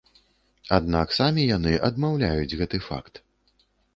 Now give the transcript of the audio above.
Аднак самі яны адмаўляюць гэты факт.